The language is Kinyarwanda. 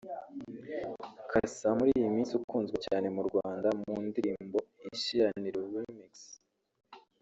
Cassa muri iyi minsi ukunzwe cyane mu Rwanda mu ndirimbo ‘Ishiraniro remix’